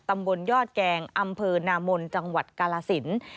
ตำบลยอดแกงอำเภอนามนจังหวัดกาลสิน